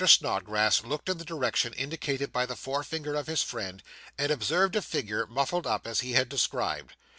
Snodgrass looked in the direction indicated by the forefinger of his friend, and observed a figure, muffled up, as he had described.